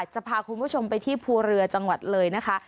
จะพาคุณผู้ชมไปที่ภูเรือจังหวัดเลยนะคะ